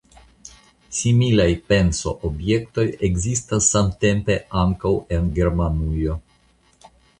Similaj pensoobjektoj ekzistis samtempe ankaŭ en Germanujo.